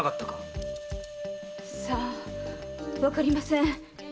さあわかりません。